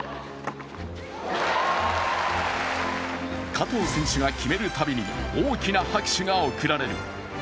加藤選手が決めるたびに大きな拍手が送られる。